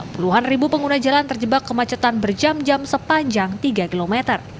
puluhan ribu pengguna jalan terjebak kemacetan berjam jam sepanjang tiga km